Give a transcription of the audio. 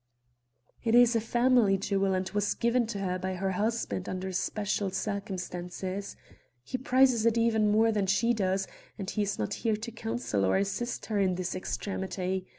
"It is a family jewel and was given to her by her husband under special circumstances. He prizes it even more than she does, and he is not here to counsel or assist her in this extremity.